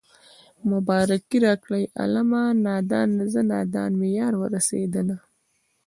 مبارکي راکړئ عالمه نادانه زه نادان مې يار ورسېدنه